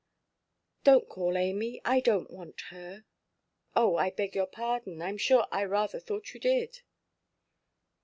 "Donʼt call Amy. I donʼt want her." "Oh, I beg your pardon, Iʼm sure I rather thought you did."